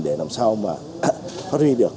để làm sao mà phát huy được